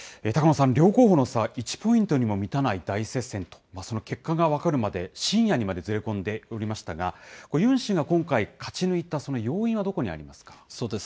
高野さん、両候補の差、１ポイントにも満たない大接戦と、その結果が分かるまで、深夜にまでずれ込んでおりましたが、これ、ユン氏が今回、勝ち抜いた要因はどこにありますか？